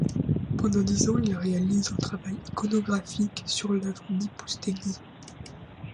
Pendant dix ans, ils réalisent un travail iconographique sur l’œuvre d'Ipoustéguy.